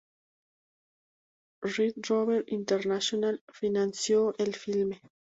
Red Rover International financió el filme.